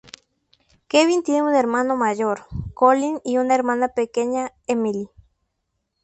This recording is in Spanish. Kevin tiene un hermano mayor, Collin, y una hermana pequeña, Emily.